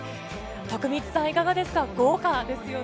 徳光さん、いかがですか、豪華ですよね。